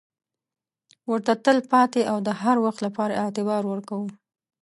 ورته تل پاتې او د هروخت لپاره اعتبار ورکوو.